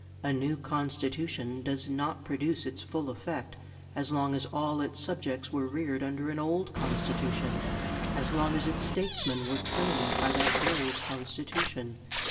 A new Constitution does not produce its full effect as long as all its subjects were reared under an old Constitution, as long as its statesmen were trained by that old Constitution.